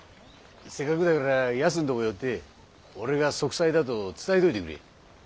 せっかくだからやすんとこ寄って俺が息災だと伝えといてくれ。